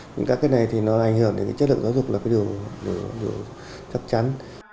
nhưng các cái này thì nó ảnh hưởng đến cái chất lượng giáo dục là cái điều chắc chắn